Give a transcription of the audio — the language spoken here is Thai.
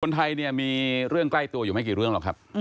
คนไทยเนี่ยมีเรื่องใกล้ตัวอยู่ไม่กี่เรื่องหรอกครับ